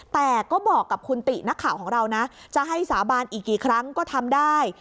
แต่ก็บอกกับคุณตินักข่าวของเรานะจะให้สาบานอีกกี่ครั้งก็ทำได้